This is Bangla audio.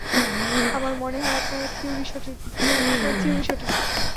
আমার মনে হয় আপনার থিউরী সঠিক!